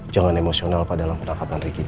jangan emosional pada dalam penangkatan ricky